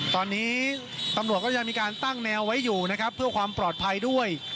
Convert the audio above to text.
ตอนนี้ตำรวจก็ยังมีการตั้งแนวไว้อยู่นะครับเพื่อความปลอดภัยด้วย